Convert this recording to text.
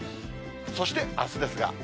そして、あすですが。